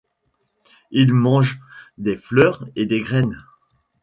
Ils mangent des fruits et des graines.